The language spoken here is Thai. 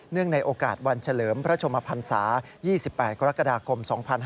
ในโอกาสวันเฉลิมพระชมพันศา๒๘กรกฎาคม๒๕๕๙